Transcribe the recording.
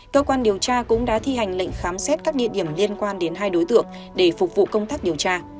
cơ quan điều tra cũng đã thi hành lệnh khám xét các địa điểm liên quan đến hai đối tượng để phục vụ công tác điều tra